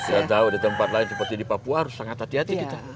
saya tahu di tempat lain seperti di papua harus sangat hati hati kita